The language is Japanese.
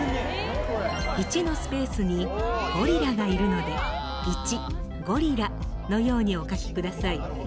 １のスペースにゴリラがいるので「１ゴリラ」のようにお書きください。